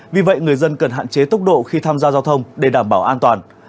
vì vậy người dân cần hạn chế tốc độ khi tham gia giao thông để đảm bảo an toàn